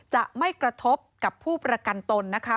จะไม่กระทบกับผู้ประกันตนนะคะ